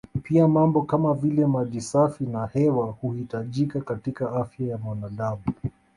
Pia mambo kama vile maji safi na hewa huhitajika katika afya ya mwanadam